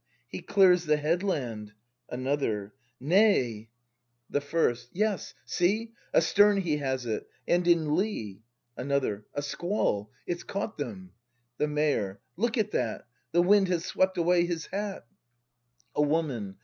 He clears the headland ! Another. Nay! 70 BRAND [ACT ii The First. Yes, see, — Astern he has it, and in lee! Another. A squall ! It's caught them ! The Mayor. Look at that, — The wind has swept away his hat! A Woman.